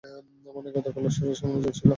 মানে, গতকালও ওর শরীরে সামান্য জ্বর ছিল!